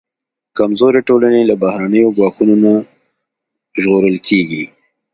کمزورې ټولنې له بهرنیو ګواښونو نه ژغورل کېږي.